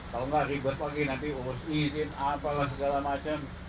kalau nggak ribet lagi nanti urus izin apalah segala macam